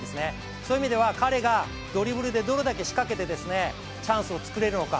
そういう意味では彼がドリブルでどれだけ仕掛けてチャンスを作れるのか。